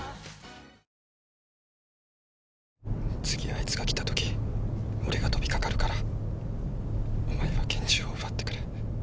次あいつが来たとき俺が飛び掛かるからお前は拳銃を奪ってくれ。